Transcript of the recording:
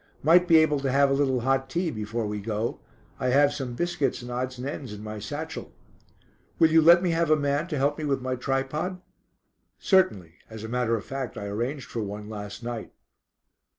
Might be able to have a little hot tea before we go. I have some biscuits and odds and ends in my satchel." "Will you let me have a man to help me with my tripod?" "Certainly, as a matter of fact I arranged for one last night."